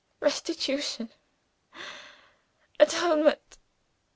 Restitution! Atonement!